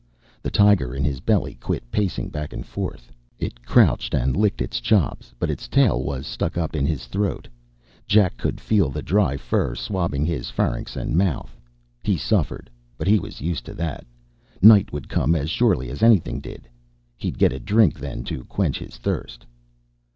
The tiger in his belly quit pacing back and forth; it crouched and licked its chops, but its tail was stuck up in his throat. Jack could feel the dry fur swabbing his pharynx and mouth. He suffered, but he was used to that. Night would come as surely as anything did. He'd get a drink then to quench his thirst.